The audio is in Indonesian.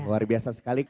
luar biasa sekali